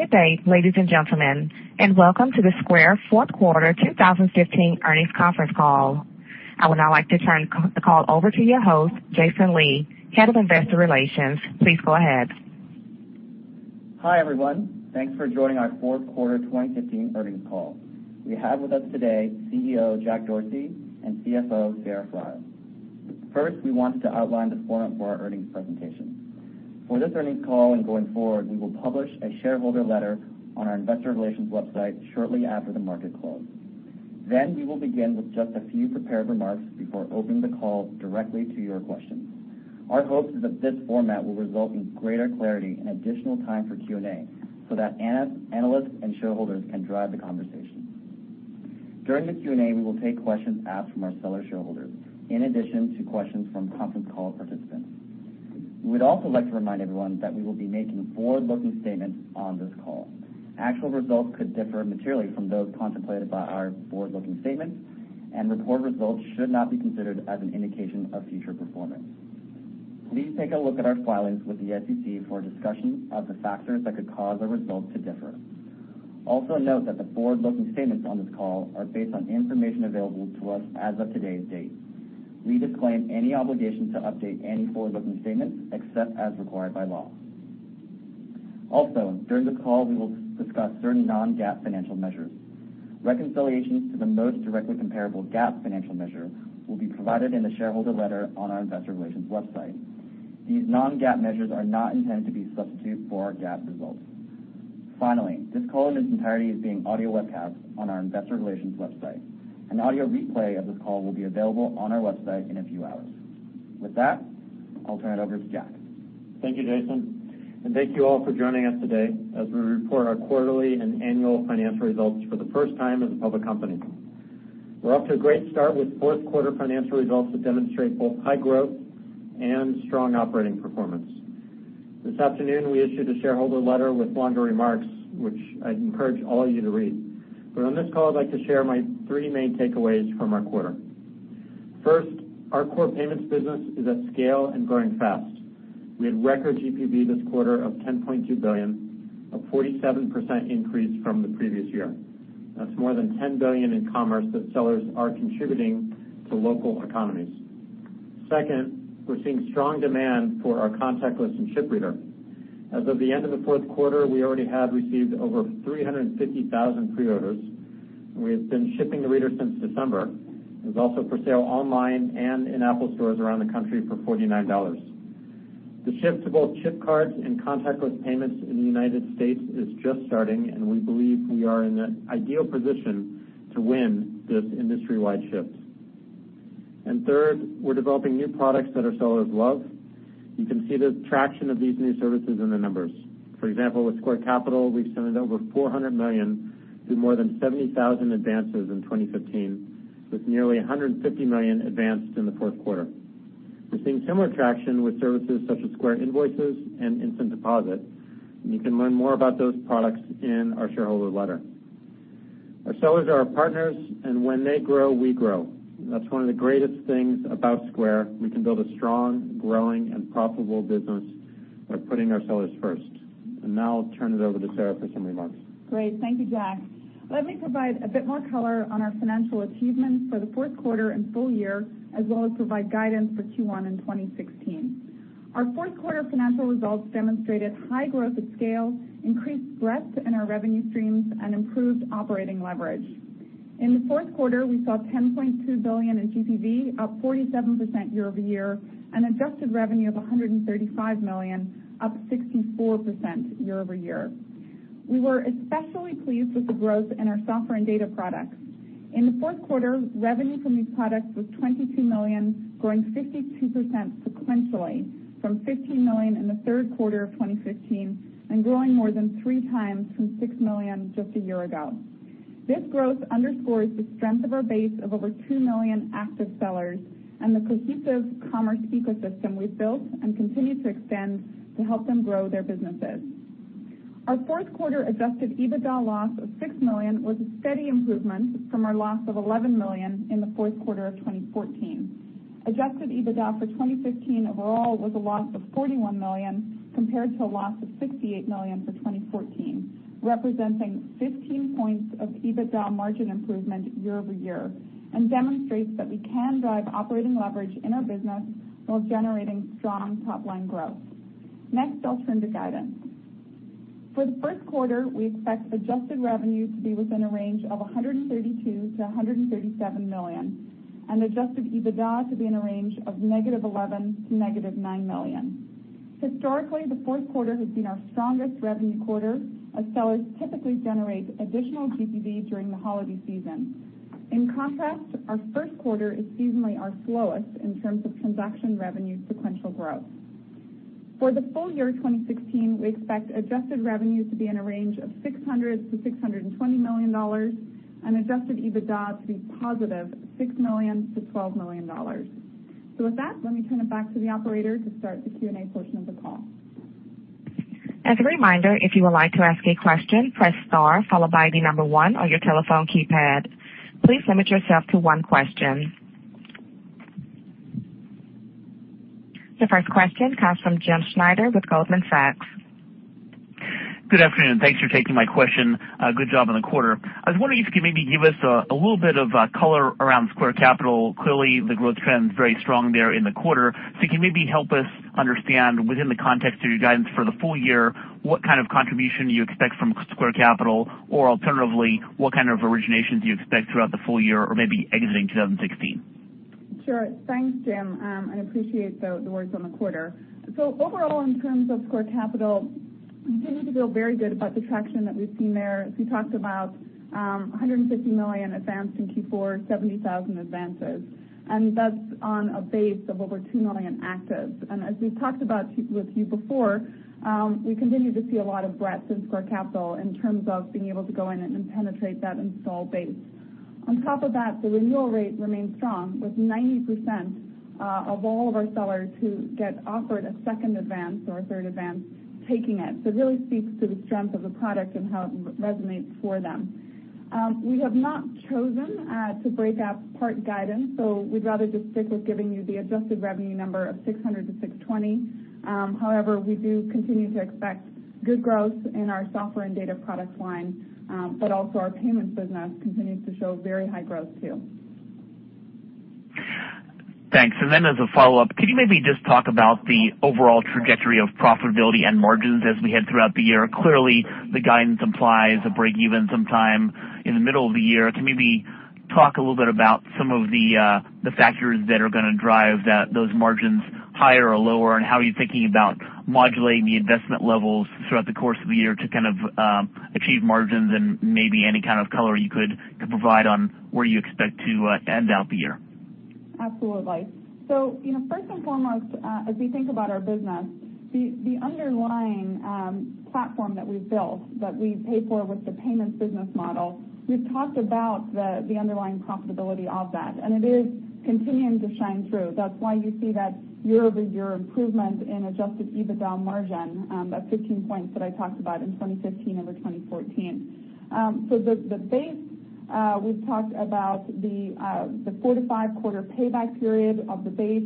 Good day, ladies and gentlemen, welcome to the Square fourth quarter 2015 earnings conference call. I would now like to turn the call over to your host, Jason Lee, Head of Investor Relations. Please go ahead. Hi, everyone. Thanks for joining our fourth quarter 2015 earnings call. We have with us today CEO, Jack Dorsey, and CFO, Sarah Friar. First, we wanted to outline the format for our earnings presentation. For this earnings call, going forward, we will publish a shareholder letter on our investor relations website shortly after the market close. We will begin with just a few prepared remarks before opening the call directly to your questions. Our hopes is that this format will result in greater clarity and additional time for Q&A so that analysts and shareholders can drive the conversation. During the Q&A, we will take questions asked from our seller shareholders, in addition to questions from conference call participants. We'd also like to remind everyone that we will be making forward-looking statements on this call. Actual results could differ materially from those contemplated by our forward-looking statements, and reported results should not be considered as an indication of future performance. Please take a look at our filings with the SEC for a discussion of the factors that could cause the results to differ. Also note that the forward-looking statements on this call are based on information available to us as of today's date. We disclaim any obligation to update any forward-looking statements except as required by law. Also, during the call, we will discuss certain non-GAAP financial measures. Reconciliations to the most directly comparable GAAP financial measure will be provided in the shareholder letter on our investor relations website. These non-GAAP measures are not intended to be a substitute for our GAAP results. Finally, this call in its entirety is being audio webcast on our investor relations website. An audio replay of this call will be available on our website in a few hours. With that, I'll turn it over to Jack. Thank you, Jason, and thank you all for joining us today as we report our quarterly and annual financial results for the first time as a public company. We're off to a great start with fourth quarter financial results that demonstrate both high growth and strong operating performance. This afternoon, we issued a shareholder letter with longer remarks, which I'd encourage all of you to read. On this call, I'd like to share my three main takeaways from our quarter. First, our core payments business is at scale and growing fast. We had record GPV this quarter of $10.2 billion, a 47% increase from the previous year. That's more than $10 billion in commerce that sellers are contributing to local economies. Second, we're seeing strong demand for our contactless and chip reader. As of the end of the fourth quarter, we already have received over 350,000 pre-orders, and we have been shipping the reader since December. It is also for sale online and in Apple stores around the country for $49. The shift to both chip cards and contactless payments in the United States is just starting, and we believe we are in the ideal position to win this industry-wide shift. Third, we're developing new products that our sellers love. You can see the traction of these new services in the numbers. For example, with Square Capital, we've sent over $400 million through more than 70,000 advances in 2015, with nearly $150 million advanced in the fourth quarter. We're seeing similar traction with services such as Square Invoices and Instant Deposit. You can learn more about those products in our shareholder letter. Our sellers are our partners, and when they grow, we grow. That's one of the greatest things about Square. We can build a strong, growing, and profitable business by putting our sellers first. Now I'll turn it over to Sarah for some remarks. Great. Thank you, Jack. Let me provide a bit more color on our financial achievements for the fourth quarter and full year, as well as provide guidance for Q1 in 2016. Our fourth quarter financial results demonstrated high growth at scale, increased breadth in our revenue streams, and improved operating leverage. In the fourth quarter, we saw $10.2 billion in GPV, up 47% year-over-year, and adjusted revenue of $135 million, up 64% year-over-year. We were especially pleased with the growth in our software and data products. In the fourth quarter, revenue from these products was $22 million, growing 52% sequentially from $15 million in the third quarter of 2015 and growing more than three times from $6 million just a year ago. This growth underscores the strength of our base of over 2 million active sellers and the cohesive commerce ecosystem we've built and continue to extend to help them grow their businesses. Our fourth quarter adjusted EBITDA loss of $6 million was a steady improvement from our loss of $11 million in the fourth quarter of 2014. Adjusted EBITDA for 2015 overall was a loss of $41 million compared to a loss of $68 million for 2014, representing 15 points of EBITDA margin improvement year-over-year and demonstrates that we can drive operating leverage in our business while generating strong top-line growth. Next, I'll turn to guidance. For the first quarter, we expect adjusted revenue to be within a range of $132 million to $137 million and adjusted EBITDA to be in a range of negative $11 million to negative $9 million. Historically, the fourth quarter has been our strongest revenue quarter, as sellers typically generate additional GPV during the holiday season. In contrast, our first quarter is seasonally our slowest in terms of transaction revenue sequential growth. For the full year 2016, we expect adjusted revenue to be in a range of $600 million to $620 million and adjusted EBITDA to be positive $6 million to $12 million. With that, let me turn it back to the operator to start the Q&A portion of the call. As a reminder, if you would like to ask a question, press star followed by the number 1 on your telephone keypad. Please limit yourself to one question. The first question comes from James Schneider with Goldman Sachs. Good afternoon. Thanks for taking my question. Good job on the quarter. I was wondering if you could maybe give us a little bit of color around Square Capital. Clearly, the growth trend's very strong there in the quarter. So can you maybe help us understand, within the context of your guidance for the full year, what kind of contribution you expect from Square Capital? Or alternatively, what kind of origination do you expect throughout the full year or maybe exiting 2016? Thanks, Jim, and appreciate the words on the quarter. Overall, in terms of Square Capital, we continue to feel very good about the traction that we've seen there. As we talked about, $150 million advanced in Q4, 70,000 advances. That's on a base of over 2 million actives. As we've talked about with you before, we continue to see a lot of breadth in Square Capital in terms of being able to go in and penetrate that installed base. On top of that, the renewal rate remains strong with 90% of all of our sellers who get offered a second advance or a third advance taking it. It really speaks to the strength of the product and how it resonates for them. We have not chosen to break out part guidance, so we'd rather just stick with giving you the adjusted revenue number of $600 million to $620 million. However, we do continue to expect good growth in our software and data products line. Also our payments business continues to show very high growth, too. Thanks. Then as a follow-up, can you maybe just talk about the overall trajectory of profitability and margins as we head throughout the year? Clearly, the guidance implies a break-even sometime in the middle of the year. Can you maybe talk a little bit about some of the factors that are going to drive those margins higher or lower? How are you thinking about modulating the investment levels throughout the course of the year to achieve margins? Maybe any kind of color you could provide on where you expect to end out the year. Absolutely. First and foremost, as we think about our business, the underlying platform that we've built that we pay for with the payments business model, we've talked about the underlying profitability of that, and it is continuing to shine through. That's why you see that year-over-year improvement in adjusted EBITDA margin of 15 points that I talked about in 2015 over 2014. The base we've talked about the four to five quarter payback period of the base.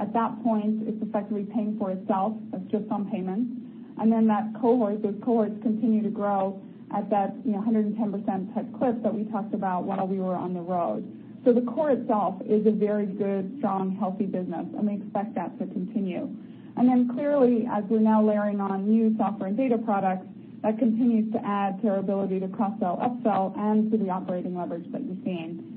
At that point, it's effectively paying for itself. That's just on payments. Then those cohorts continue to grow at that 110% type clip that we talked about while we were on the road. The core itself is a very good, strong, healthy business, and we expect that to continue. Clearly, as we're now layering on new software and data products, that continues to add to our ability to cross-sell, up-sell, and to the operating leverage that you've seen.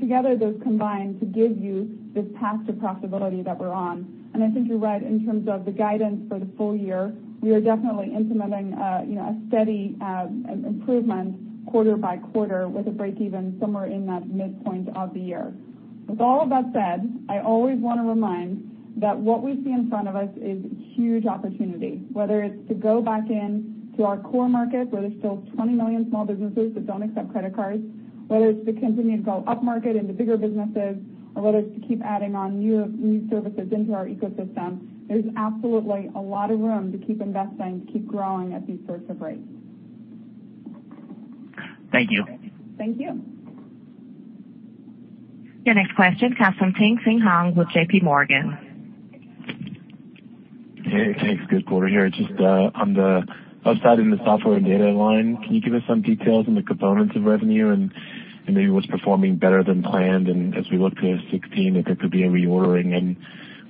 Together, those combine to give you this path to profitability that we're on. I think you're right in terms of the guidance for the full year. We are definitely implementing a steady improvement quarter by quarter with a break-even somewhere in that midpoint of the year. With all of that said, I always want to remind that what we see in front of us is huge opportunity, whether it's to go back in to our core markets where there's still 20 million small businesses that don't accept credit cards, whether it's to continue to go up market into bigger businesses, or whether it's to keep adding on new services into our ecosystem. There's absolutely a lot of room to keep investing, to keep growing at these sorts of rates. Thank you. Thank you. Your next question comes from Tien-Tsin Huang with JP Morgan. Hey, thanks. Good quarter here. Just on the upside in the software and data line, can you give us some details on the components of revenue and maybe what's performing better than planned? As we look to 2016, if there could be a reordering and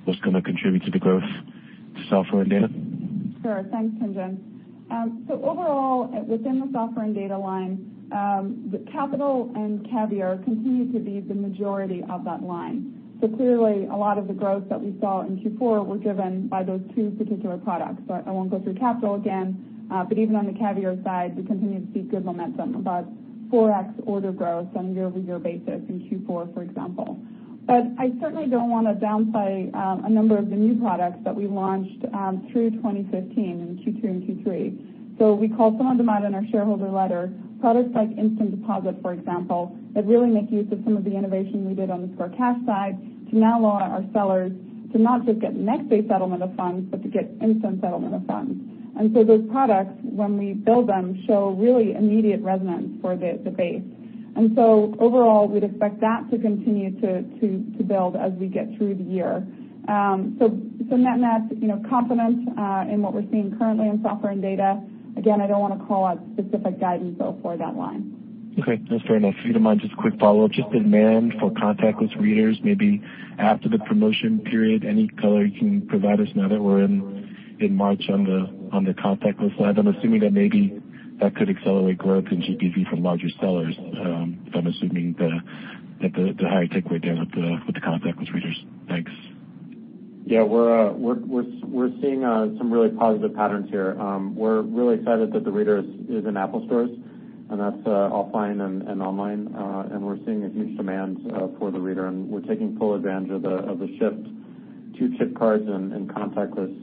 what's going to contribute to the growth to software and data? Sure. Thanks, Tien-Tsin. Overall, within the software and data line, the Capital and Caviar continue to be the majority of that line. Clearly, a lot of the growth that we saw in Q4 were driven by those two particular products. I won't go through Capital again, but even on the Caviar side, we continue to see good momentum. About 4x order growth on a year-over-year basis in Q4, for example. I certainly don't want to downplay a number of the new products that we launched through 2015 in Q2 and Q3. We called some of them out in our shareholder letter. Products like Instant Deposit, for example, that really make use of some of the innovation we did on the Square Cash side to now allow our sellers to not just get next-day settlement of funds, but to get instant settlement of funds. Those products, when we build them, show really immediate resonance for the base. Overall, we'd expect that to continue to build as we get through the year. Net-net, confidence in what we're seeing currently in software and data. Again, I don't want to call out specific guidance though for that line. Okay, that's fair enough. If you don't mind, just a quick follow-up. Just demand for contactless readers, maybe after the promotion period, any color you can provide us now that we're in March on the contactless side? I'm assuming that maybe that could accelerate growth in GPV for larger sellers. If I'm assuming that the higher take rate there with the contactless readers. Thanks. We're seeing some really positive patterns here. We're really excited that the reader is in Apple stores, and that's offline and online. We're seeing a huge demand for the reader, and we're taking full advantage of the shift to chip cards and contactless.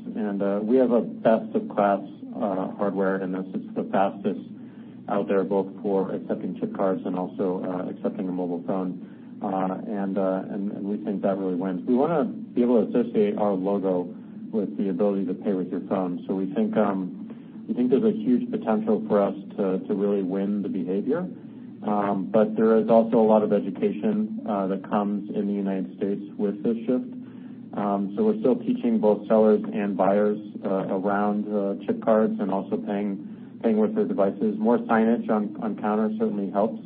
We have a best-of-class hardware, and it's the fastest out there, both for accepting chip cards and also accepting a mobile phone. We think that really wins. We want to be able to associate our logo with the ability to pay with your phone. We think there's a huge potential for us to really win the behavior, but there is also a lot of education that comes in the United States with this shift. We're still teaching both sellers and buyers around chip cards and also paying with their devices. More signage on counters certainly helps,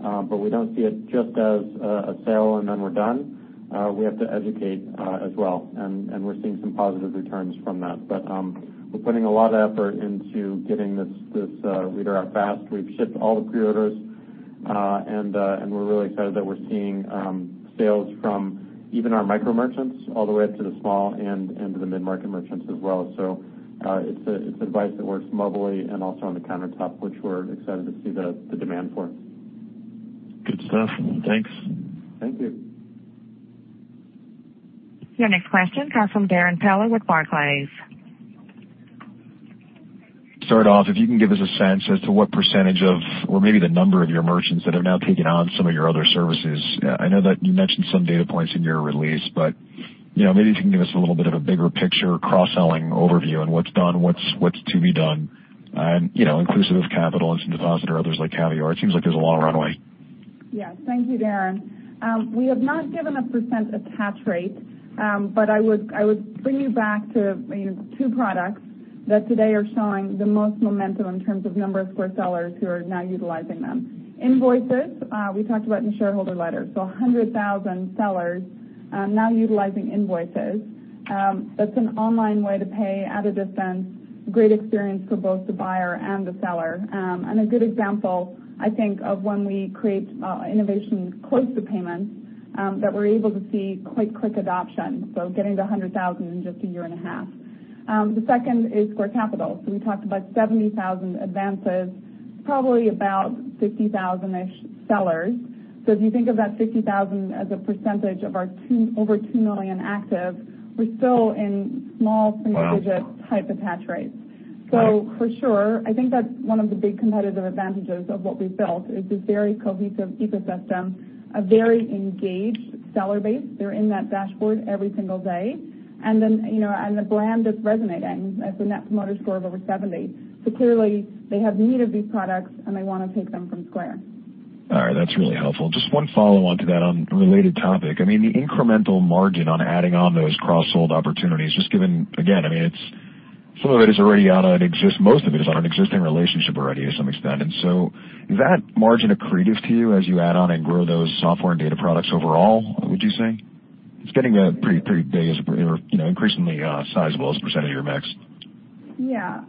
but we don't see it just as a sale and then we're done. We have to educate as well, and we're seeing some positive returns from that. We're putting a lot of effort into getting this reader out fast. We've shipped all the pre-orders, and we're really excited that we're seeing sales from even our micro merchants all the way up to the small and to the mid-market merchants as well. It's a device that works mobily and also on the countertop, which we're excited to see the demand for. Good stuff. Thanks. Thank you. Your next question comes from Darrin Peller with Barclays. To start off, if you can give us a sense as to what percentage of, or maybe the number of your merchants that have now taken on some of your other services. I know that you mentioned some data points in your release, but maybe if you can give us a little bit of a bigger picture cross-selling overview on what's done, what's to be done, and inclusive of Capital, Instant Deposit, or others like Caviar. It seems like there's a lot of runway. Yes. Thank you, Darrin. We have not given a percent attach rate, but I would bring you back to two products that today are showing the most momentum in terms of number of Square sellers who are now utilizing them. Invoices, we talked about in shareholder letters, so 100,000 sellers now utilizing Invoices. That's an online way to pay at a distance. Great experience for both the buyer and the seller. A good example, I think, of when we create innovation close to payments, that we're able to see quite quick adoption, so getting to 100,000 in just a year and a half. The second is Square Capital. We talked about 70,000 advances, probably about 50,000-ish sellers. If you think of that 50,000 as a percentage of our over 2 million active, we're still in small single-digit type attach rates. For sure, I think that's one of the big competitive advantages of what we've built is this very cohesive ecosystem, a very engaged seller base. They're in that dashboard every single day. The brand is resonating. That's a net promoter score of over 70. Clearly, they have the need of these products, and they want to take them from Square. All right. That's really helpful. Just one follow-on to that on a related topic. The incremental margin on adding on those cross-sold opportunities, just given, again, some of it is already on an existing relationship already to some extent. Is that margin accretive to you as you add on and grow those software and data products overall, would you say? It's getting pretty big, or increasingly sizable as a percentage of your mix. Yeah.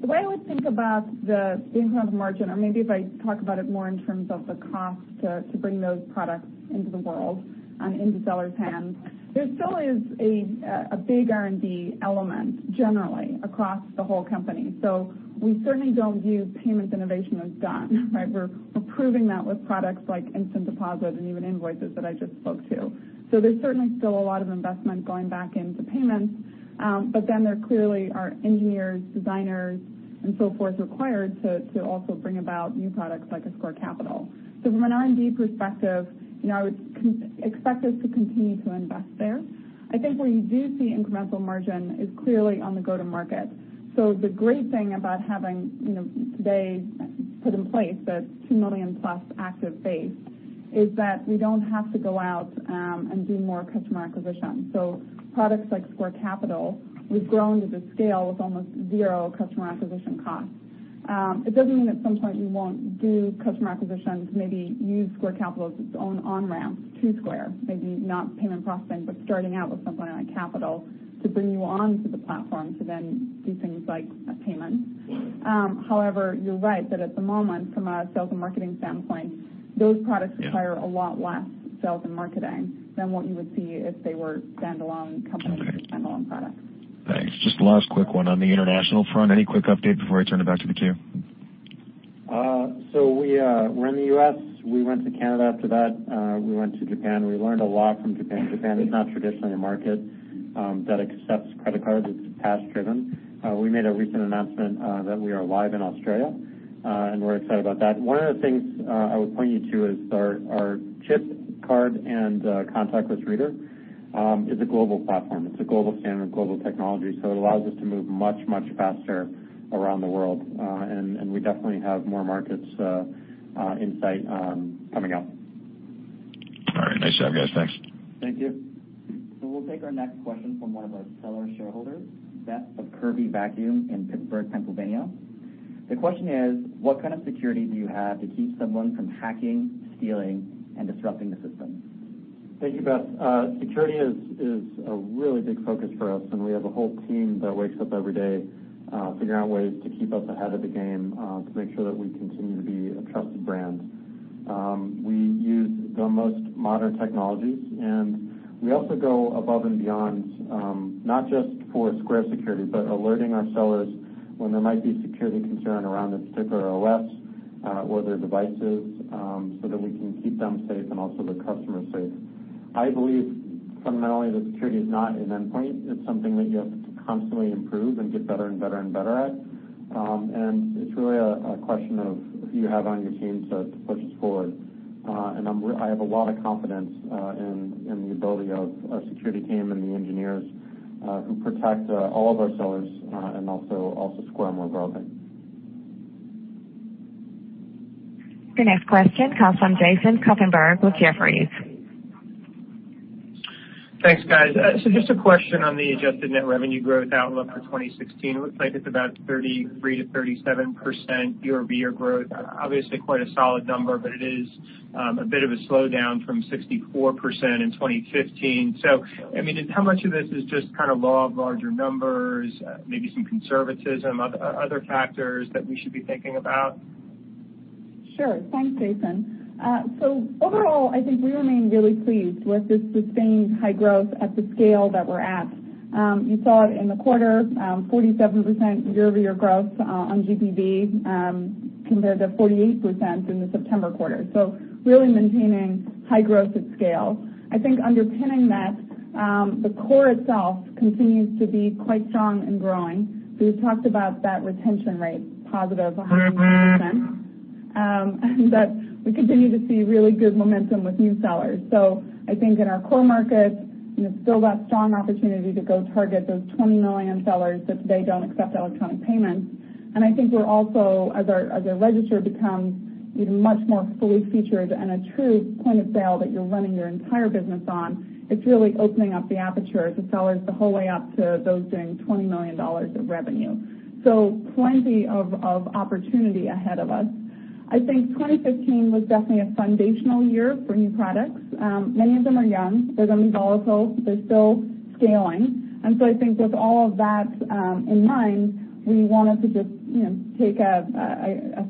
The way I would think about the incremental margin, or maybe if I talk about it more in terms of the cost to bring those products into the world and into sellers' hands, there still is a big R&D element generally across the whole company. We certainly don't view payments innovation as done, right? We're proving that with products like Instant Deposit and even Invoices that I just spoke to. There's certainly still a lot of investment going back into payments. There clearly are engineers, designers, and so forth required to also bring about new products like a Square Capital. From an R&D perspective, I would expect us to continue to invest there. I think where you do see incremental margin is clearly on the go-to-market. The great thing about having today put in place the 2 million plus active base is that we don't have to go out and do more customer acquisition. Products like Square Capital, we've grown to the scale with almost zero customer acquisition costs. It doesn't mean at some point we won't do customer acquisitions, maybe use Square Capital as its own on-ramp to Square, maybe not payment processing, but starting out with something like Capital to bring you onto the platform to then do things like payments. However, you're right that at the moment, from a sales and marketing standpoint, those products require a lot less sales and marketing than what you would see if they were standalone companies or standalone products. Thanks. Just last quick one. On the international front, any quick update before I turn it back to the queue? We're in the U.S. We went to Canada. After that, we went to Japan. We learned a lot from Japan. Japan is not traditionally a market that accepts credit cards. It's cash driven. We made a recent announcement that we are live in Australia, and we're excited about that. One of the things I would point you to is our chip card and contactless reader is a global platform. It's a global standard, global technology, so it allows us to move much, much faster around the world. We definitely have more markets insight coming up. All right. Nice job, guys. Thanks. Thank you. We'll take our next question from one of our seller shareholders, Beth of Kirby Vacuum in Pittsburgh, Pennsylvania. The question is, what kind of security do you have to keep someone from hacking, stealing, and disrupting the system? Thank you, Beth. Security is a really big focus for us. We have a whole team that wakes up every day figuring out ways to keep us ahead of the game to make sure that we continue to be a trusted brand. We use the most modern technologies, and we also go above and beyond, not just for Square security, but alerting our sellers when there might be a security concern around a particular OS or their devices, so that we can keep them safe and also the customer safe. I believe fundamentally that security is not an endpoint. It's something that you have to constantly improve and get better and better at. It's really a question of who you have on your team to push us forward. I have a lot of confidence in the ability of our security team and the engineers who protect all of our sellers and also Square more broadly. The next question comes from Jason Kupferberg with Jefferies. Thanks, guys. Just a question on the adjusted net revenue growth outlook for 2016. It looks like it's about 33%-37% year-over-year growth. Obviously, quite a solid number, but it is a bit of a slowdown from 64% in 2015. How much of this is just kind of law of larger numbers, maybe some conservatism, other factors that we should be thinking about? Sure. Thanks, Jason. Overall, I think we remain really pleased with this sustained high growth at the scale that we're at. You saw it in the quarter, 47% year-over-year growth on GPV, compared to 48% in the September quarter. Really maintaining high growth at scale. I think underpinning that, the core itself continues to be quite strong and growing. We've talked about that retention rate, positive 100%, that we continue to see really good momentum with new sellers. I think in our core markets, there's still that strong opportunity to go target those 20 million sellers that today don't accept electronic payments. I think we're also, as our register becomes much more fully featured and a true point-of-sale that you're running your entire business on, it's really opening up the aperture to sellers the whole way up to those doing $20 million of revenue. Plenty of opportunity ahead of us. I think 2015 was definitely a foundational year for new products. Many of them are young. They're going to be volatile. They're still scaling. I think with all of that in mind, we wanted to just take a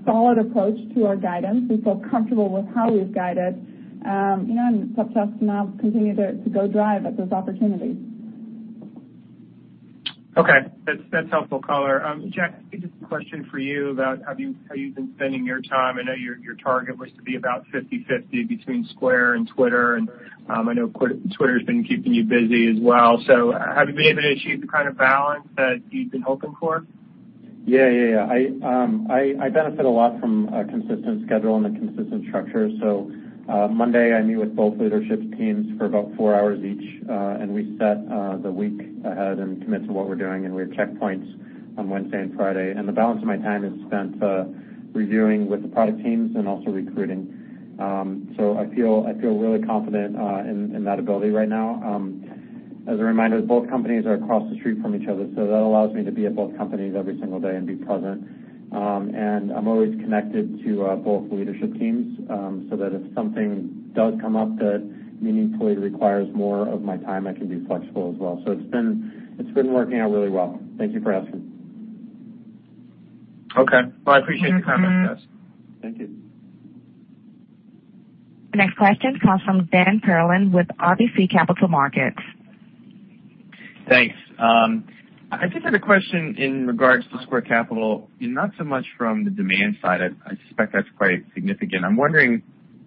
solid approach to our guidance. We feel comfortable with how we've guided, and it's up to us to now continue to go drive at those opportunities. Okay. That's helpful, Sarah. Jack, maybe just a question for you about how you've been spending your time. I know your target was to be about 50/50 between Square and Twitter, and I know Twitter's been keeping you busy as well. Have you been able to achieve the kind of balance that you'd been hoping for? Yeah. I benefit a lot from a consistent schedule and a consistent structure. On Monday, I meet with both leadership teams for about four hours each, and we set the week ahead and commit to what we're doing, and we have checkpoints on Wednesday and Friday. The balance of my time is spent reviewing with the product teams and also recruiting. I feel really confident in that ability right now. As a reminder, both companies are across the street from each other, that allows me to be at both companies every single day and be present. I'm always connected to both leadership teams, that if something does come up that meaningfully requires more of my time, I can be flexible as well. It's been working out really well. Thank you for asking. Okay. Well, I appreciate your time on this, guys. Thank you. The next question comes from Dan Perlin with RBC Capital Markets. Thanks. I just had a question in regards to Square Capital, not so much from the demand side. I suspect that's quite significant. I'm wondering,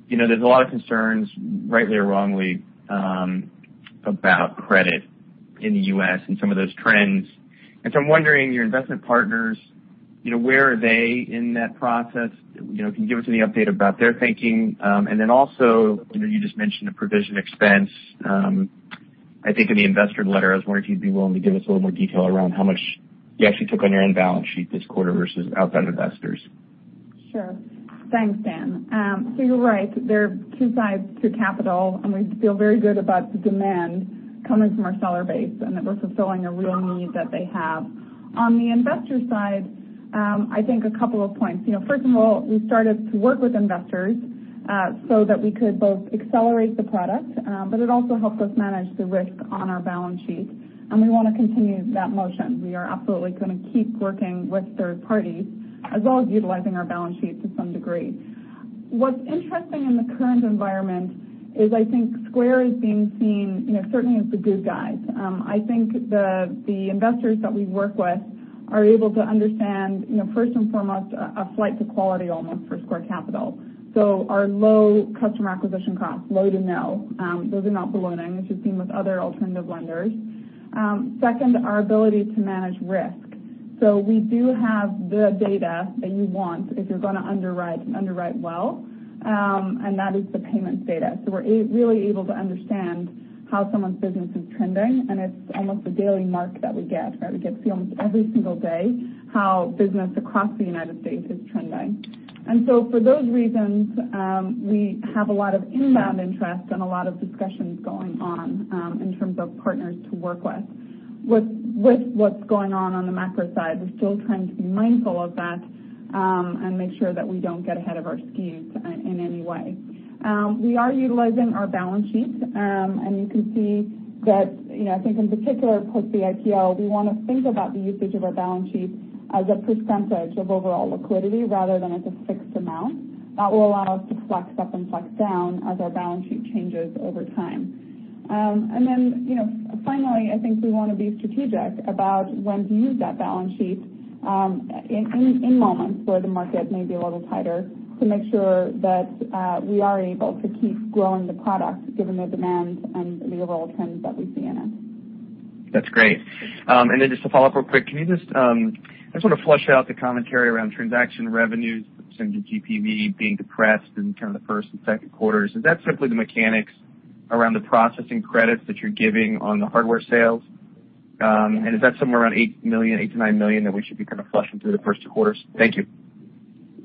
there's a lot of concerns, rightly or wrongly, about credit in the U.S. and some of those trends. I'm wondering, your investment partners, where are they in that process? Can you give us any update about their thinking? You just mentioned a provision expense. I think in the investor letter, I was wondering if you'd be willing to give us a little more detail around how much you actually took on your own balance sheet this quarter versus outside investors. Sure. Thanks, Dan. You're right. There are two sides to capital, and we feel very good about the demand coming from our seller base and that we're fulfilling a real need that they have. On the investor side, I think a couple of points. First of all, we started to work with investors so that we could both accelerate the product, but it also helped us manage the risk on our balance sheet, and we want to continue that motion. We are absolutely going to keep working with third parties, as well as utilizing our balance sheet to some degree. What's interesting in the current environment is I think Square is being seen, certainly, as the good guys. I think the investors that we work with are able to understand, first and foremost, a flight to quality almost for Square Capital. Our low customer acquisition costs, low to no. Those are not ballooning, which we've seen with other alternative lenders. Second, our ability to manage risk. We do have the data that you want if you're going to underwrite well, and that is the payments data. We're really able to understand how someone's business is trending, and it's almost a daily mark that we get. We get to see almost every single day how business across the United States is trending. For those reasons, we have a lot of inbound interest and a lot of discussions going on in terms of partners to work with. With what's going on on the macro side, we're still trying to be mindful of that and make sure that we don't get ahead of our skis in any way. We are utilizing our balance sheet, and you can see that, I think in particular post the IPO, we want to think about the usage of our balance sheet as a percentage of overall liquidity rather than as a fixed amount. That will allow us to flex up and flex down as our balance sheet changes over time. Finally, I think we want to be strategic about when to use that balance sheet in moments where the market may be a little tighter to make sure that we are able to keep growing the product given the demand and the overall trends that we see in it. That's great. Then just to follow up real quick, can you just sort of flush out the commentary around transaction revenues % GPV being depressed in kind of the first and second quarters? Is that simply the mechanics around the processing credits that you're giving on the hardware sales? Is that somewhere around $8 million, $8 million-$9 million that we should be kind of flushing through the first quarters? Thank you.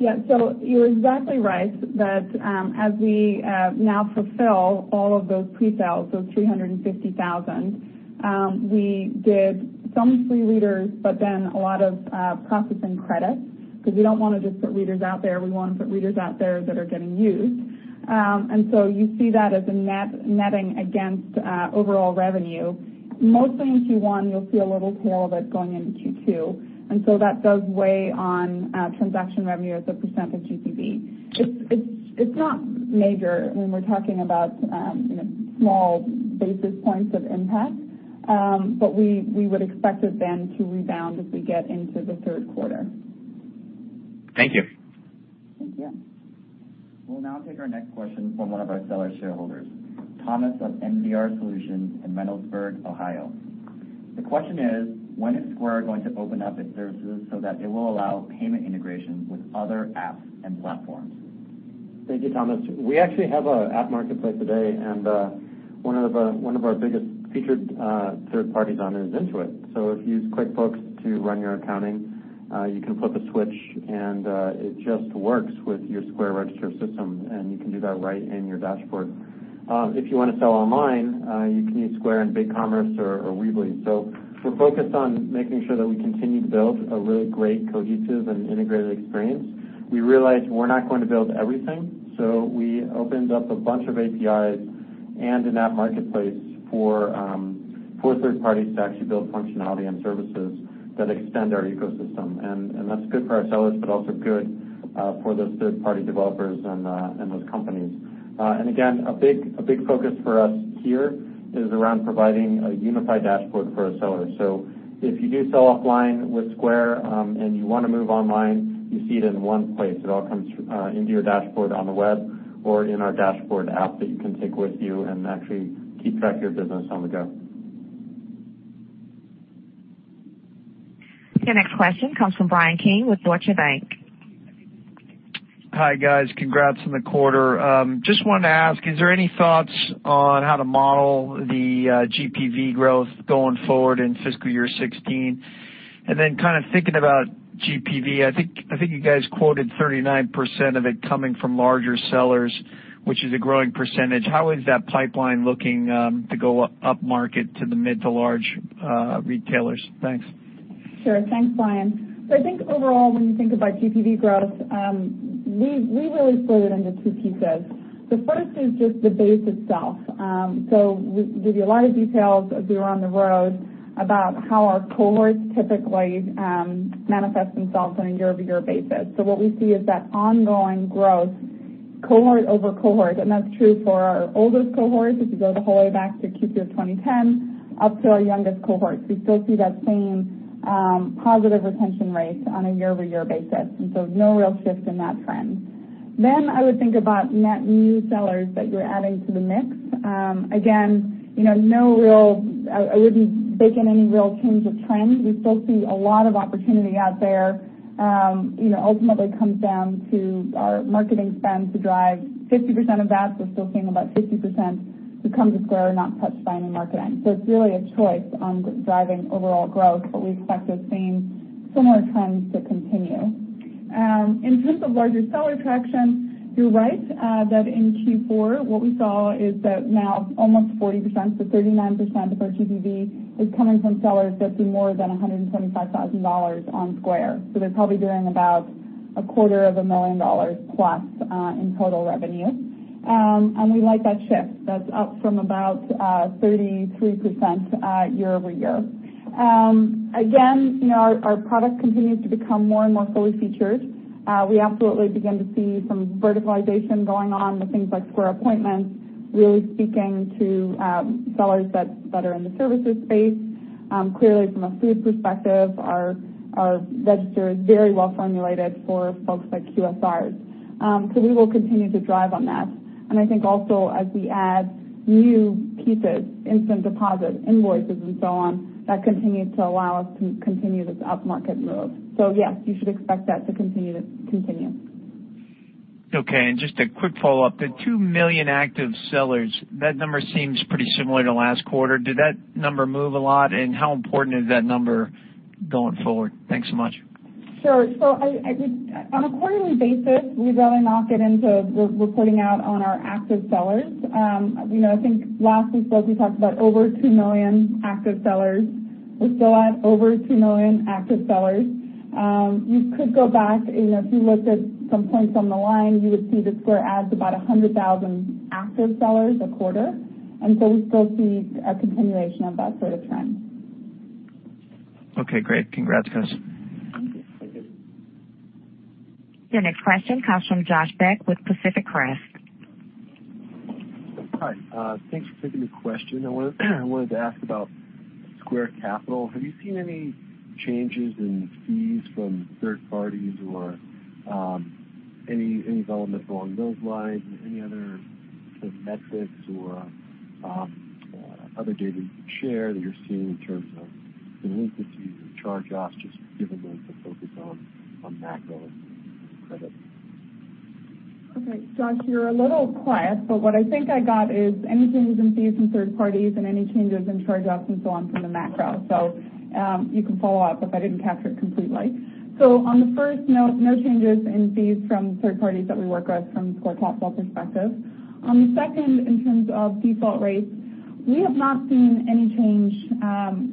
Yeah. You're exactly right that as we now fulfill all of those presales, those 350,000, we did some free readers, but then a lot of processing credits, because we don't want to just put readers out there. We want to put readers out there that are getting used. So you see that as a netting against overall revenue. Mostly in Q1, you'll see a little tail of it going into Q2, so that does weigh on transaction revenue as a % of GPV. It's not major when we're talking about small basis points of impact. We would expect it then to rebound as we get into the third quarter. Thank you. Thank you. We'll now take our next question from one of our seller shareholders, Thomas of MDR Solutions in Reynoldsburg, Ohio. The question is: When is Square going to open up its services so that it will allow payment integration with other apps and platforms? Thank you, Thomas. We actually have an app marketplace today, and one of our biggest featured third parties on it is Intuit. If you use QuickBooks to run your accounting, you can flip a switch and it just works with your Square register system, and you can do that right in your dashboard. If you want to sell online, you can use Square and BigCommerce or Weebly. We're focused on making sure that we continue to build a really great cohesive and integrated experience. We realize we're not going to build everything, so we opened up a bunch of APIs and an app marketplace for third parties to actually build functionality and services that extend our ecosystem. That's good for our sellers, but also good for those third-party developers and those companies. Again, a big focus for us here is around providing a unified dashboard for our sellers. If you do sell offline with Square and you want to move online, you see it in one place. It all comes into your dashboard on the web or in our dashboard app that you can take with you and actually keep track of your business on the go. Your next question comes from Bryan Keane with Deutsche Bank. Hi, guys. Congrats on the quarter. Just wanted to ask, is there any thoughts on how to model the GPV growth going forward in fiscal year 2016? Kind of thinking about GPV, I think you guys quoted 39% of it coming from larger sellers, which is a growing percentage. How is that pipeline looking to go up-market to the mid to large retailers? Thanks. Sure. Thanks, Bryan. I think overall, when you think about GPV growth, we really split it into two pieces. The first is just the base itself. We give you a lot of details as we were on the road about how our cohorts typically manifest themselves on a year-over-year basis. What we see is that ongoing growth cohort over cohort, and that's true for our oldest cohorts, if you go the whole way back to Q2 2010 up to our youngest cohorts. We still see that same positive retention rate on a year-over-year basis. I would think about net new sellers that you're adding to the mix. Again, I wouldn't bake in any real change of trend. We still see a lot of opportunity out there. Ultimately comes down to our marketing spend to drive 50% of that. We're still seeing about 50% who come to Square are not touched by any marketing. It's really a choice on driving overall growth, but we expect those same similar trends to continue. In terms of larger seller traction, you're right, that in Q4, what we saw is that now almost 40%-39% of our GPV is coming from sellers that do more than $125,000 on Square. They're probably doing about a quarter of a million dollars plus in total revenue. We like that shift. That's up from about 33% year-over-year. Again, our product continues to become more and more fully featured. We absolutely begin to see some verticalization going on with things like Square Appointments, really speaking to sellers that are in the services space. Clearly, from a food perspective, our register is very well formulated for folks like QSRs. We will continue to drive on that. I think also as we add new pieces, Instant Deposit, Invoices, and so on, that continue to allow us to continue this up-market move. Yes, you should expect that to continue. Just a quick follow-up. The 2 million active sellers, that number seems pretty similar to last quarter. Did that number move a lot, and how important is that number going forward? Thanks so much. Sure. On a quarterly basis, we really not get into reporting out on our active sellers. I think last we spoke, we talked about over 2 million active sellers. We're still at over 2 million active sellers. You could go back, if you looked at some points on the line, you would see that Square adds about 100,000 active sellers a quarter, we still see a continuation of that sort of trend. Great. Congrats, guys. Thank you. Your next question comes from Josh Beck with Pacific Crest. Hi. Thanks for taking the question. I wanted to ask about Square Capital. Have you seen any changes in fees from third parties or any developments along those lines? Any other sort of metrics or other data you can share that you're seeing in terms of delinquencies or charge-offs, just given the focus on macro and credit? Okay, Josh, you're a little quiet, but what I think I got is any changes in fees from third parties and any changes in charge-offs and so on from the macro. You can follow up if I didn't capture it completely. On the first note, no changes in fees from third parties that we work with from Square Capital perspective. On the second, in terms of default rates, we have not seen any change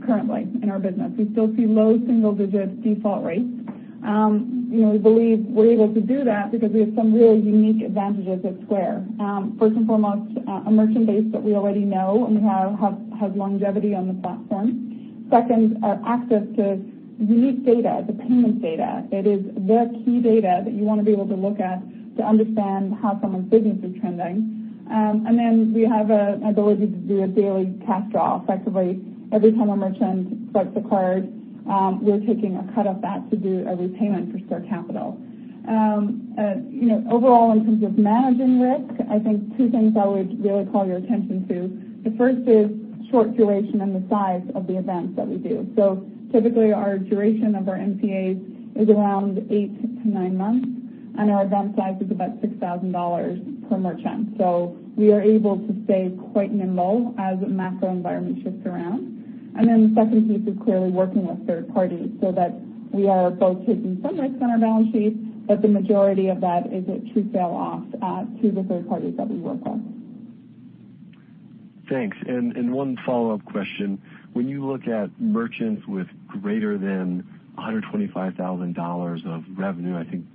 currently in our business. We still see low single-digit default rates. We believe we're able to do that because we have some really unique advantages at Square. First and foremost, a merchant base that we already know and has longevity on the platform. Second, our access to unique data, the payments data. That is the key data that you want to be able to look at to understand how someone's business is trending. We have an ability to do a daily cash draw effectively. Every time a merchant swipes a card, we're taking a cut of that to do a repayment for Square Capital. Overall, in terms of managing risk, I think two things I would really call your attention to. The first is short duration and the size of the events that we do. Typically, our duration of our MCAs is around 8-9 months, and our event size is about $6,000 per merchant. We are able to stay quite nimble as macro environment shifts around. The second piece is clearly working with third parties so that we are both taking some risks on our balance sheet, but the majority of that is a true fail-off to the third parties that we work with. Thanks. One follow-up question. When you look at merchants with greater than $125,000 of revenue, I think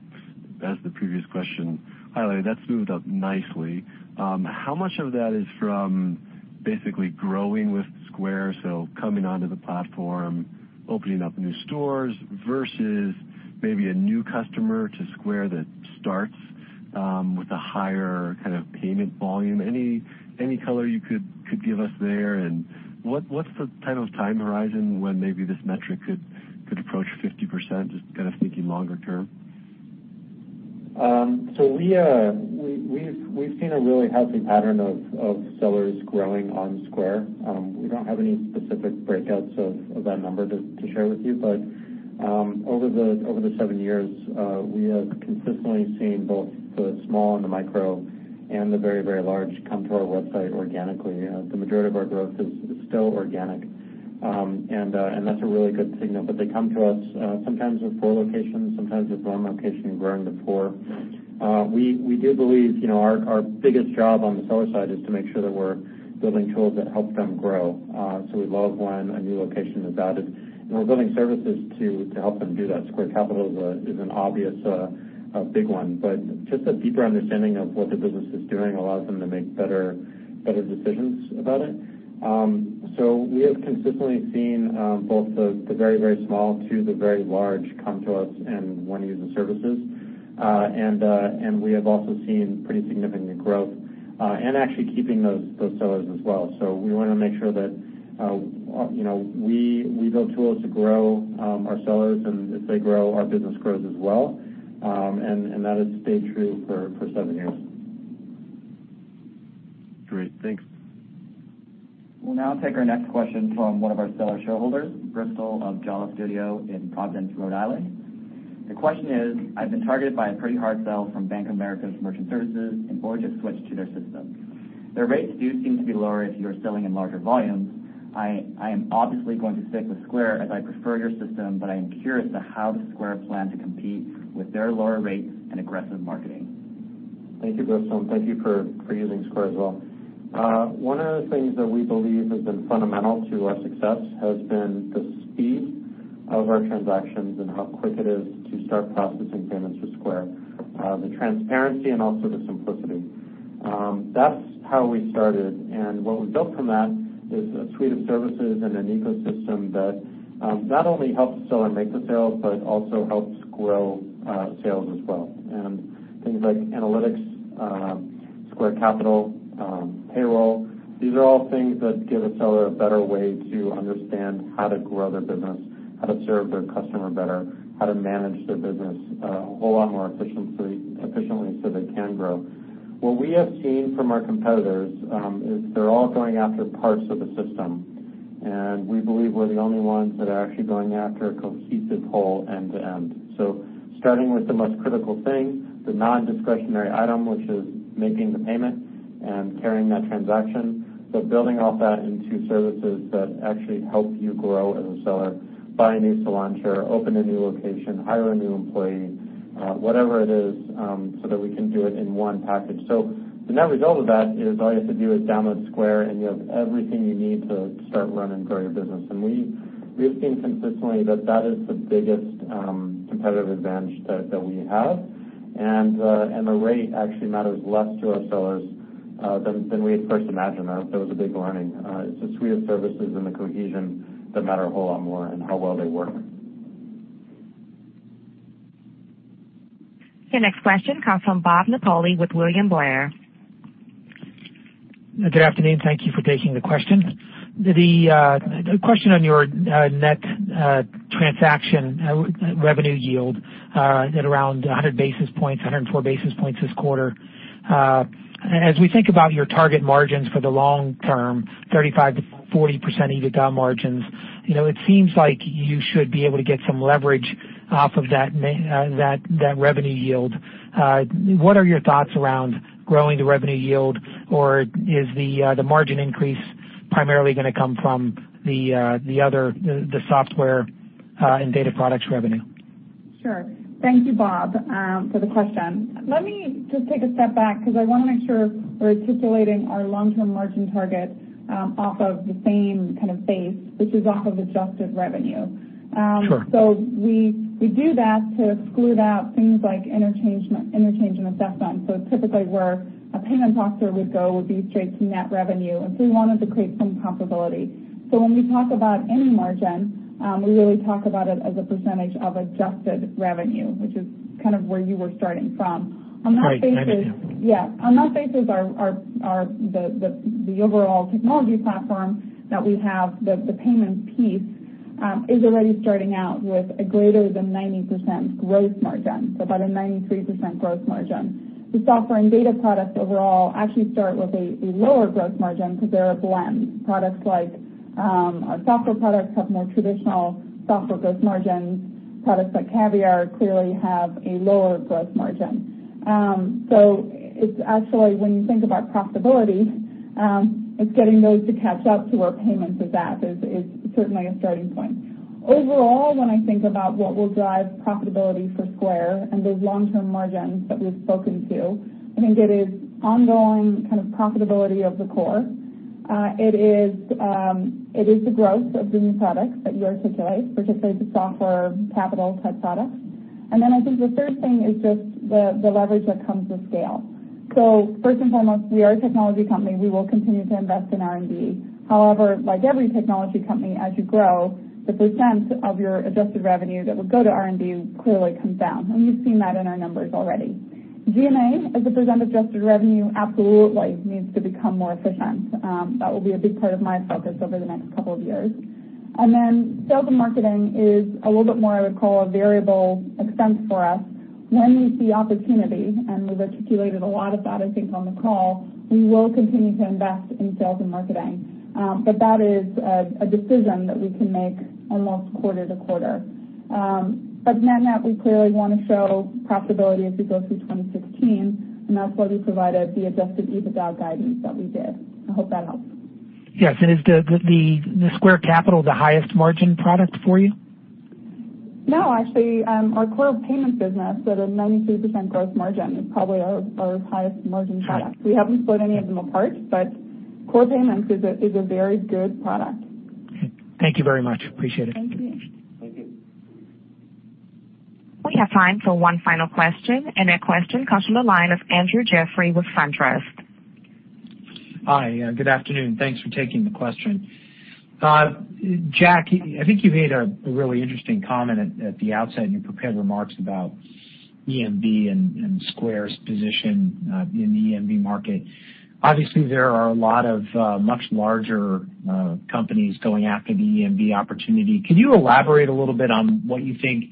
as the previous question highlighted, that's moved up nicely. How much of that is from basically growing with Square, so coming onto the platform, opening up new stores, versus maybe a new customer to Square that starts with a higher kind of payment volume? Any color you could give us there, and what's the kind of time horizon when maybe this metric could approach 50%? Just kind of thinking longer term. We've seen a really healthy pattern of sellers growing on Square. We don't have any specific breakouts of that number to share with you, but over the seven years, we have consistently seen both the small and the micro and the very large come to our website organically. The majority of our growth is still organic, and that's a really good signal. They come to us sometimes with four locations, sometimes with one location and growing to four. We do believe our biggest job on the seller side is to make sure that we're building tools that help them grow. We love when a new location is added, and we're building services to help them do that. Square Capital is an obvious big one, but just a deeper understanding of what the business is doing allows them to make better decisions about it. We have consistently seen both the very small to the very large come to us and want to use the services. We have also seen pretty significant growth and actually keeping those sellers as well. We want to make sure that we build tools to grow our sellers, and as they grow, our business grows as well. That has stayed true for seven years. Great. Thanks. We'll now take our next question from one of our seller shareholders, Bristol of Jala Studio in Providence, Rhode Island. The question is: I've been targeted by a pretty hard sell from Bank of America's merchant services, boy, just switched to their system. Their rates do seem to be lower if you are selling in larger volumes. I am obviously going to stick with Square as I prefer your system, but I am curious to how does Square plan to compete with their lower rates and aggressive marketing. Thank you, Bristol, thank you for using Square as well. One of the things that we believe has been fundamental to our success has been the speed of our transactions and how quick it is to start processing payments with Square, the transparency, and also the simplicity. That's how we started, what we've built from that is a suite of services and an ecosystem that not only helps a seller make the sale, but also helps grow sales as well. Things like analytics, Square Capital, Payroll, these are all things that give a seller a better way to understand how to grow their business, how to serve their customer better, how to manage their business a whole lot more efficiently so they can grow. What we have seen from our competitors is they're all going after parts of the system, and we believe we're the only ones that are actually going after a cohesive whole end-to-end. Starting with the most critical thing, the non-discretionary item, which is making the payment and carrying that transaction, but building off that into services that actually help you grow as a seller, buy a new salon chair, open a new location, hire a new employee, whatever it is, so that we can do it in one package. The net result of that is all you have to do is download Square, and you have everything you need to start, run, and grow your business. We have seen consistently that that is the biggest competitive advantage that we have. The rate actually matters less to our sellers than we had first imagined. That was a big learning. It's a suite of services and the cohesion that matter a whole lot more and how well they work. Your next question comes from Bob Napoli with William Blair. Good afternoon. Thank you for taking the questions. The question on your net transaction revenue yield at around 100 basis points, 104 basis points this quarter. As we think about your target margins for the long term, 35%-40% EBITDA margins, it seems like you should be able to get some leverage off of that revenue yield. What are your thoughts around growing the revenue yield, or is the margin increase primarily going to come from the software and data products revenue? Sure. Thank you, Bob, for the question. Let me just take a step back because I want to make sure we're articulating our long-term margin targets off of the same kind of base, which is off of adjusted revenue. Sure. We do that to exclude out things like interchange and assessments. Typically where a payment processor would go would be straight to net revenue, we wanted to create some comparability. When we talk about any margin, we really talk about it as a percentage of adjusted revenue, which is kind of where you were starting from. Right. I understand. On that basis, the overall technology platform that we have, the payments piece, is already starting out with a greater than 90% gross margin, about a 93% gross margin. The software and data products overall actually start with a lower gross margin because they're a blend. Products like our software products have more traditional software gross margins. Products like Caviar clearly have a lower gross margin. It's actually when you think about profitability, it's getting those to catch up to where payments is at is certainly a starting point. Overall, when I think about what will drive profitability for Square and those long-term margins that we've spoken to, I think it is ongoing kind of profitability of the core. It is the growth of the new products that you articulate, particularly the software capital type products. I think the third thing is just the leverage that comes with scale. First and foremost, we are a technology company. We will continue to invest in R&D. However, like every technology company, as you grow, the percent of your adjusted revenue that will go to R&D clearly comes down, and you've seen that in our numbers already. G&A, as a percent of adjusted revenue, absolutely needs to become more efficient. That will be a big part of my focus over the next couple of years. Sales and marketing is a little bit more, I would call, a variable expense for us. When we see opportunity, and we've articulated a lot of that, I think, on the call, we will continue to invest in sales and marketing. That is a decision that we can make almost quarter to quarter. Net-net, we clearly want to show profitability as we go through 2016, and that's why we provided the adjusted EBITDA guidance that we did. I hope that helps. Yes. Is the Square Capital the highest margin product for you? No, actually, our core payments business at a 93% gross margin is probably our highest margin product. We haven't split any of them apart, but core payments is a very good product. Okay. Thank you very much. Appreciate it. Thank you. Thank you. We have time for one final question, and that question comes from the line of Andrew Jeffrey with SunTrust. Hi. Good afternoon. Thanks for taking the question. Jack, I think you made a really interesting comment at the outset in your prepared remarks about EMV and Square's position in the EMV market. Obviously, there are a lot of much larger companies going after the EMV opportunity. Can you elaborate a little bit on what you think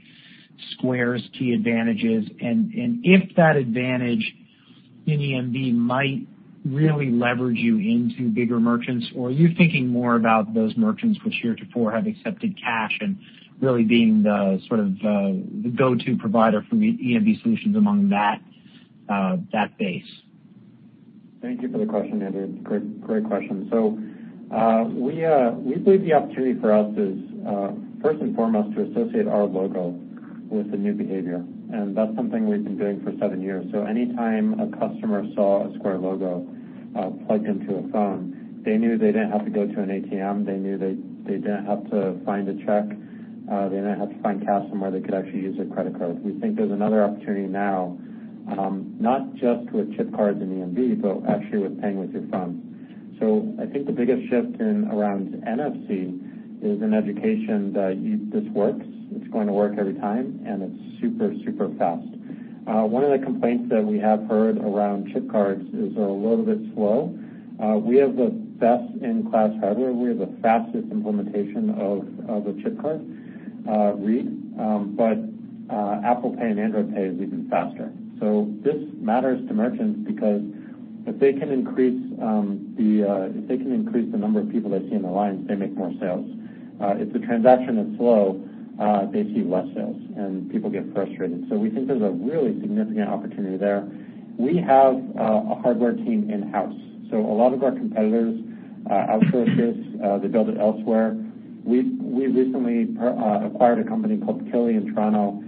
Square's key advantage is, and if that advantage in EMV might really leverage you into bigger merchants? Are you thinking more about those merchants which heretofore have accepted cash and really being the sort of go-to provider for EMV solutions among that base? Thank you for the question, Andrew. Great question. We believe the opportunity for us is, first and foremost, to associate our logo with a new behavior, and that's something we've been doing for seven years. Anytime a customer saw a Square logo plugged into a phone, they knew they didn't have to go to an ATM. They knew they didn't have to find a check. They didn't have to find cash somewhere. They could actually use their credit card. We think there's another opportunity now, not just with chip cards and EMV, but actually with paying with your phone. I think the biggest shift around NFC is an education that this works, it's going to work every time, and it's super fast. One of the complaints that we have heard around chip cards is they're a little bit slow. We have the best-in-class hardware. We have the fastest implementation of a chip card read, but Apple Pay and Android Pay is even faster. This matters to merchants because if they can increase the number of people they see in the line, they make more sales. If the transaction is slow, they see less sales, and people get frustrated. We think there's a really significant opportunity there. We have a hardware team in-house. A lot of our competitors outsource this. They build it elsewhere. We recently acquired a company called Kili Technology in Toronto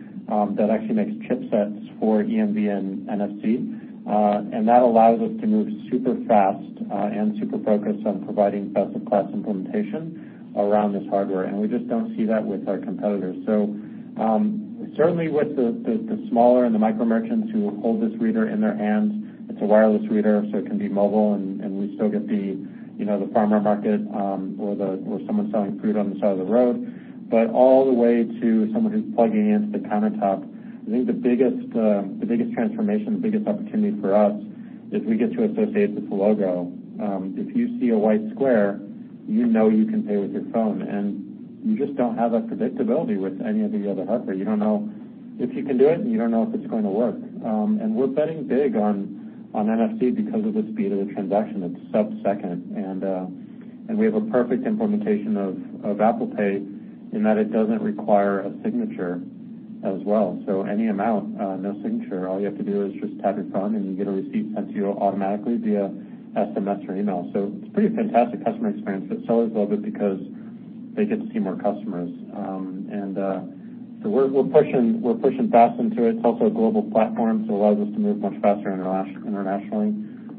that actually makes chipsets for EMV and NFC. That allows us to move super fast and super focused on providing best-of-class implementation around this hardware, and we just don't see that with our competitors. Certainly with the smaller and the micro merchants who hold this reader in their hands, it's a wireless reader, so it can be mobile, and we still get the farmer market, or someone selling fruit on the side of the road, but all the way to someone who's plugging into the countertop. I think the biggest transformation, the biggest opportunity for us is we get to associate with the logo. If you see a white Square, you know you can pay with your phone. You just don't have that predictability with any of the other hardware. You don't know if you can do it, and you don't know if it's going to work. We're betting big on NFC because of the speed of the transaction. It's sub-second. We have a perfect implementation of Apple Pay in that it doesn't require a signature as well. Any amount, no signature. All you have to do is just tap your phone and you get a receipt sent to you automatically via SMS or email. It's a pretty fantastic customer experience that sellers love it because they get to see more customers. We're pushing fast into it. It's also a global platform, so it allows us to move much faster internationally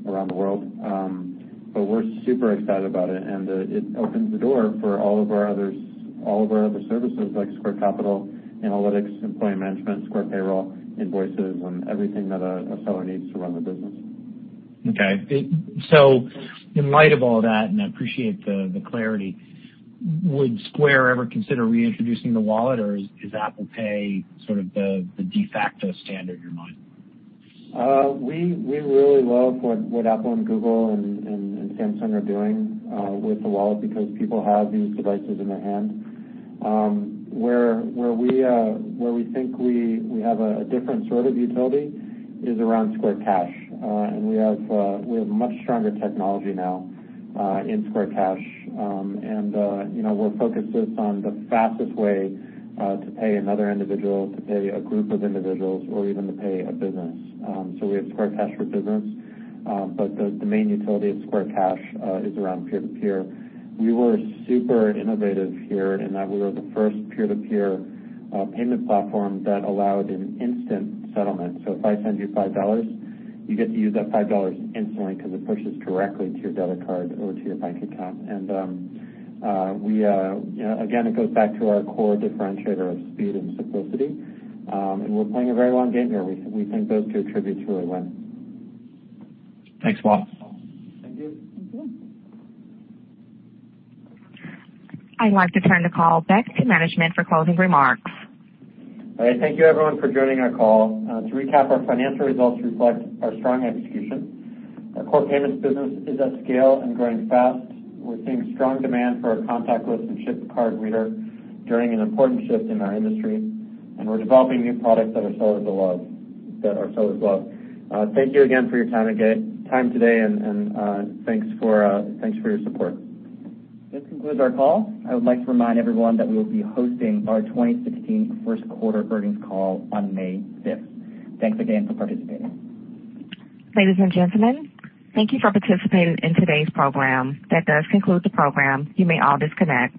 around the world. We're super excited about it, and it opens the door for all of our other services like Square Capital, Analytics, Employee Management, Square Payroll, Invoices, and everything that a seller needs to run their business. Okay. In light of all that, and I appreciate the clarity, would Square ever consider reintroducing the wallet, or is Apple Pay sort of the de facto standard in your mind? We really love what Apple and Google and Samsung are doing with the wallet because people have these devices in their hand. Where we think we have a different sort of utility is around Square Cash. We have much stronger technology now in Square Cash. We're focused just on the fastest way to pay another individual, to pay a group of individuals, or even to pay a business. We have Square Cash for Business. The main utility of Square Cash is around peer-to-peer. We were super innovative here in that we were the first peer-to-peer payment platform that allowed an instant settlement. If I send you $5, you get to use that $5 instantly because it pushes directly to your debit card or to your bank account. Again, it goes back to our core differentiator of speed and simplicity. We're playing a very long game here. We think those two attributes really win. Thanks a lot. Thank you. Thank you. I'd like to turn the call back to management for closing remarks. All right. Thank you everyone for joining our call. To recap, our financial results reflect our strong execution. Our core payments business is at scale and growing fast. We're seeing strong demand for our contactless and chip card reader during an important shift in our industry, and we're developing new products that our sellers love. Thank you again for your time today, and thanks for your support. This concludes our call. I would like to remind everyone that we will be hosting our 2016 first quarter earnings call on May 5th. Thanks again for participating. Ladies and gentlemen, thank you for participating in today's program. That does conclude the program. You may all disconnect.